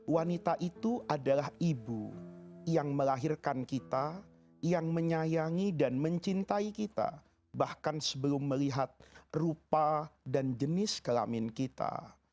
wanita itu adalah ibu yang melahirkan kita yang menyayangi dan mencintai kita bahkan sebelum melihat rupa dan jenis kelamin kita